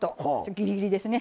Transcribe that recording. ギリギリですね。